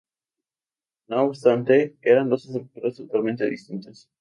No obstante, eran dos estructuras totalmente distintas.